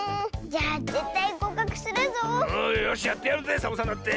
よしやってやるぜサボさんだって。